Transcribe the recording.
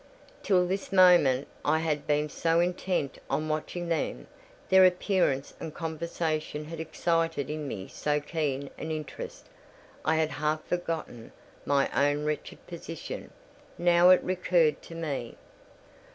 Till this moment, I had been so intent on watching them, their appearance and conversation had excited in me so keen an interest, I had half forgotten my own wretched position: now it recurred to me.